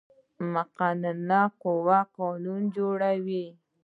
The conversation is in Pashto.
مقننه قوه قوانین جوړوي